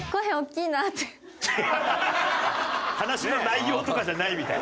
話の内容とかじゃないみたい。